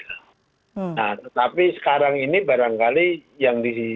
nah tetapi sekarang ini barangkali yang di